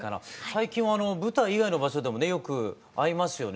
最近は舞台以外の場所でもねよく会いますよね。